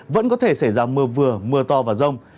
vẫn có thể xảy ra mưa vừa mưa to và rông